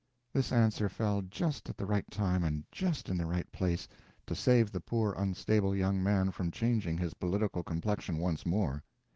This answer fell just at the right time and just in the right place, to save the poor unstable young man from changing his political complexion once more.